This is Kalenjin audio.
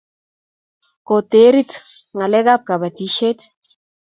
koterit ngalek ab kabatishiet